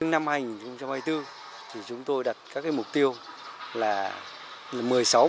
năm hành trong hai mươi bốn chúng tôi đặt các mục tiêu là một mươi sáu mũi